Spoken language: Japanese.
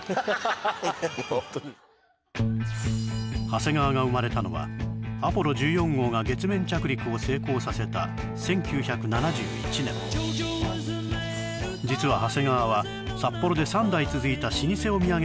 長谷川が生まれたのはアポロ１４号が月面着陸を成功させた１９７１年実は長谷川は比較的だったという